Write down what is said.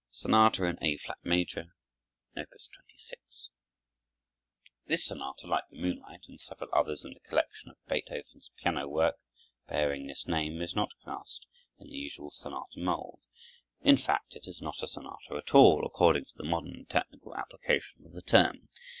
Beethoven: Sonata in A Flat Major, Op. 26 This sonata, like the "Moonlight" and several others in the collection of Beethoven's piano work bearing this name, is not cast in the usual sonata mold; in fact, it is not a sonata at all, according to the modern technical application of the term.